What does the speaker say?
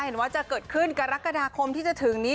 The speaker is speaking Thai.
เห็นว่าจะเกิดขึ้นกรกฎาคมที่จะถึงนี้